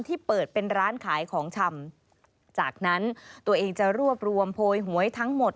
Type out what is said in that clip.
ที่เปิดเป็นร้านขายของชำจากนั้นตัวเองจะรวบรวมโพยหวยทั้งหมด